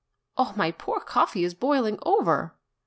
"Oh, my poor coffee is boil ing over